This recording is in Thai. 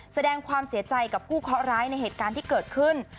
แสดงความเสียใจกับผู้เคาะร้ายในเหตุการณ์ที่เกิดขึ้น